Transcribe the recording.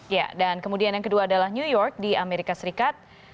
ya dan kemudian yang kedua adalah new york di amerika serikat